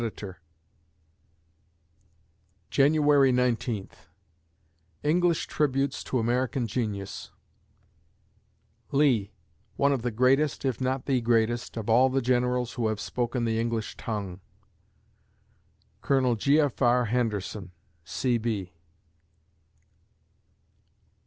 ] January Nineteenth ENGLISH TRIBUTES TO AMERICAN GENIUS LEE One of the greatest, if not the greatest, of all the generals who have spoken the English tongue. COL. G. F. R. HENDERSON, C.